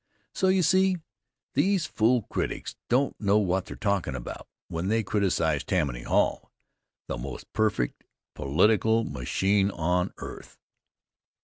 So, you see, these fool critics don't know what they're talkin' about when they criticize Tammany Hall, the most perfect political machine on earth.